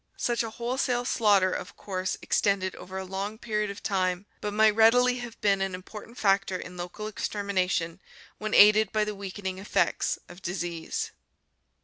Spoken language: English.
Such a wholesale slaughter of course extended over a long period of time, but might readily have been an important factor in local extermination when aided by the weakening effects of disease.